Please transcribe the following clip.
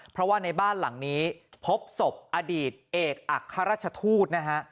เพราะว่าในบ้านหลังนี้พบศพอดีตเอกอัครราชทูตนะฮะ